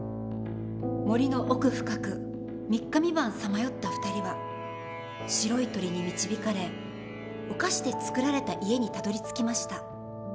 森の奥深く三日三晩さまよった２人は白い鳥に導かれお菓子で作られた家にたどりつきました。